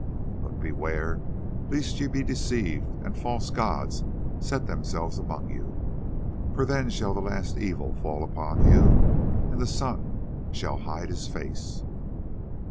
But beware lest ye be deceived and false gods set themselves up among you, for then shall the last evil fall upon you and the sun shall hide his face.